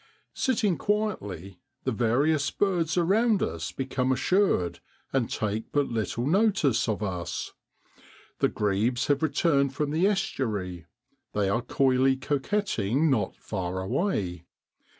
Sitting quietly, the various birds around us become assured, and take but little notice of us. The grebes have returned from the estu ary; they are coyly coquetting not far away.